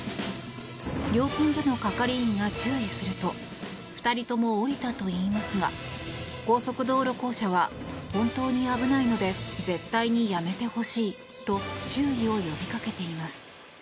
料金所の係員が注意すると２人とも降りたといいますが高速道路公社は本当に危ないので絶対にやめてほしいと注意を呼びかけています。